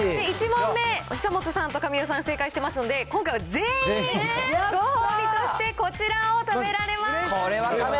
１問目、久本さんと神尾さん、正解してますので、今回、全員ご褒美として、こちらを食べられます。